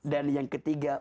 dan yang ketiga